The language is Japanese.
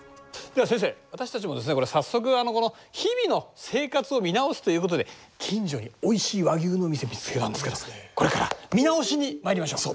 では先生私たちもですね早速日々の生活を見直すということで近所においしい和牛の店見つけたんですけどこれから見直しにまいりましょう。